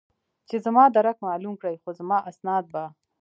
چې زما درک معلوم کړي، خو زما اسناد به.